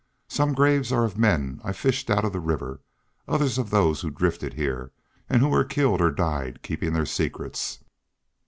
Some graves are of men I fished out of the river; others of those who drifted here, and who were killed or died keeping their secrets.